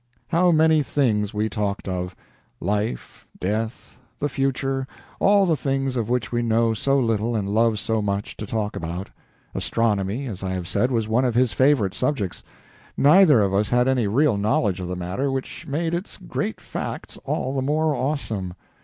How many things we talked of! Life, death, the future all the things of which we know so little and love so much to talk about. Astronomy, as I have said, was one of his favorite subjects. Neither of us had any real knowledge of the matter, which made its great facts all the more awesome.